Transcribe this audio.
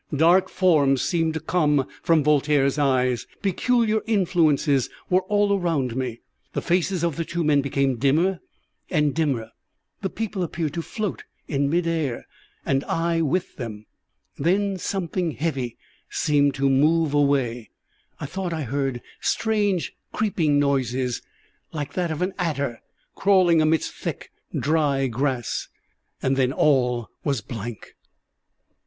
Dark forms seemed to come from Voltaire's eyes; peculiar influences were all around me. The faces of the two men became dimmer and dimmer, the people appeared to float in mid air, and I with them; then something heavy seemed to move away, I thought I heard strange creeping noises, like that of an adder crawling amidst thick dry grass, and then all was blank.